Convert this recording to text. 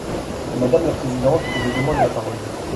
Madame la présidente, je demande la parole.